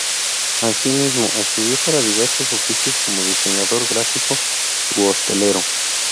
Asimismo estudió para diversos oficios como diseñador gráfico u hostelero.